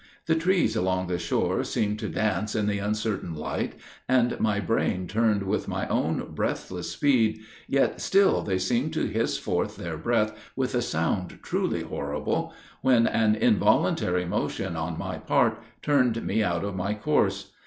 The trees along the shore seemed to dance in the uncertain light, and my brain turned with my own breathless speed, yet still they seemed to hiss forth their breath with a sound truly horrible, when an involuntary motion on my part, turned me out of my course.